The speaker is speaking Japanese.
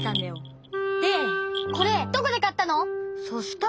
でこれどこでかったの！